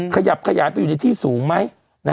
ขยับขยายไปอยู่ในที่สูงไหม